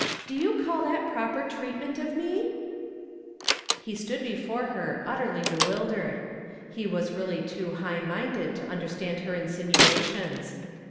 Do you call that proper treatment of me ?" He stood before her utterly bewildered. He was really too high minded to understand her insinuations.